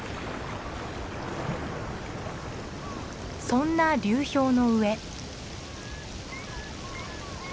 そんな流氷の上。